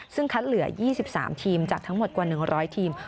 ซึ่งคัดเหลือ๒๓ทีมจากทั้งหมดกว่า๑๐๐ทีม